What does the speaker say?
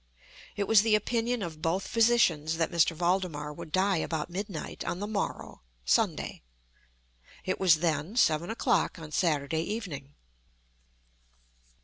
It was the opinion of both physicians that M. Valdemar would die about midnight on the morrow (Sunday). It was then seven o'clock on Saturday evening.